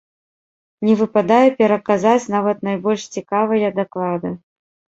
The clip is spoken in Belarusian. Не выпадае пераказаць нават найбольш цікавыя даклады.